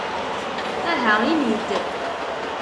Aha ini-d!